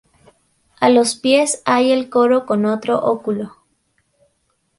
A los pies hay el coro con otro óculo.